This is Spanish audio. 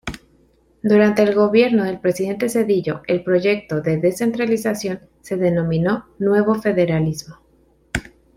Durante el gobierno del presidente Zedillo el proyecto de descentralización se denominó "Nuevo federalismo".